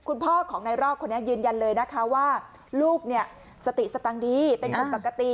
คุณพ่อของนายรอกคนนี้ยืนยันเลยนะคะว่าลูกเนี่ยสติสตังค์ดีเป็นคนปกติ